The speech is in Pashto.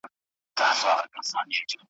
وړي لمبه پر سر چي شپه روښانه کړي ,